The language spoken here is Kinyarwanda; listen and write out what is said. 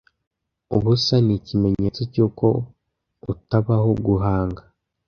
Ubusa ni ikimenyetso cyuko utabaho guhanga.